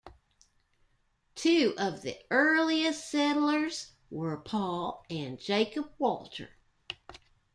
Two of the earliest settlers were Paul and Jacob Walter.